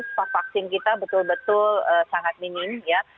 stok vaksin kita betul betul sangat minim ya